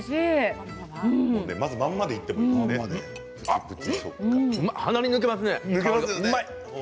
まず、まんまでいって鼻に抜けますね、うまい。